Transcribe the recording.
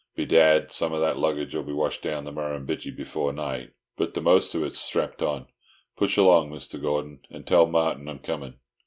Bedad, some o' that luggage 'll be washed down to the Murrumbidgee before night; but the most of it is strapped on. Push along, Mr. Gordon, and tell Martin I'm coming."